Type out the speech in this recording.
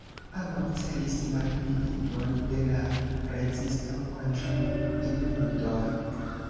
Ambaŭ celis malpliigon de la rezisto kontraŭinundo.